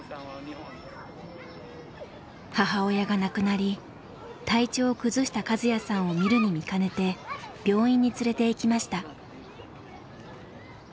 母親が亡くなり体調を崩したカズヤさんを見るに見かねて病院に連れていきました。